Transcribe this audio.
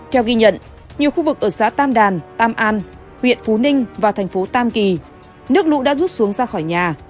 theo ghi nhận nhiều khu vực ở xã tam đàn tam an huyện phú ninh và thành phố tam kỳ nước lũ đã rút xuống ra khỏi nhà